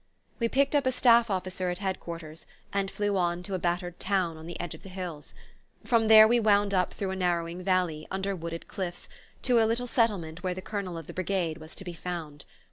We picked up a staff officer at Head quarters and flew on to a battered town on the edge of the hills. From there we wound up through a narrowing valley, under wooded cliffs, to a little settlement where the Colonel of the Brigade was to be found.